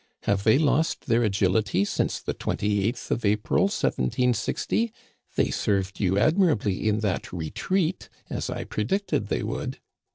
Have they lost their agility since the 28th of April, 1760? They served you admirably in that retreat, as I predicted they would."